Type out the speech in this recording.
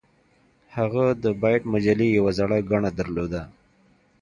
هغه د بایټ مجلې یوه زړه ګڼه درلوده